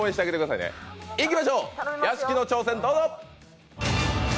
いきましょう、屋敷の挑戦、どうぞ。